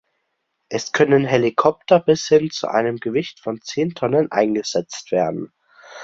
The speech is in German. Es können Helikopter bis hin zu einem Gewicht von zehn Tonnen eingesetzt werden.